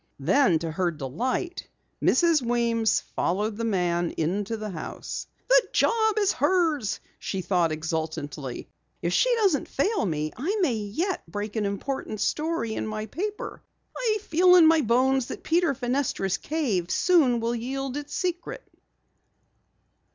Then, to her delight, Mrs. Weems followed the man into the house. "The job is hers!" she thought exultantly. "If she doesn't fail me, I may yet break an important story in my paper! I feel in my bones that Peter Fenestra's cave soon will yield its secret!"